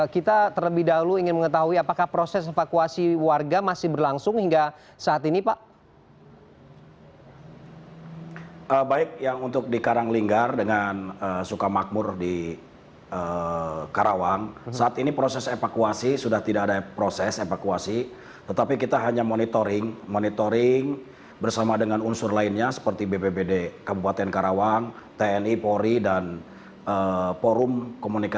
kita terlebih dahulu ingin mengetahui apakah proses evakuasi warga masih berlangsung hingga saat ini pak